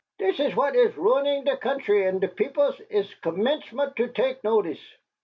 Dot iss what iss ruining der gountry und der peobles iss commencement to take notice.